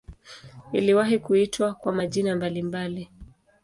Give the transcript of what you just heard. Iliwahi kuitwa kwa majina mbalimbali.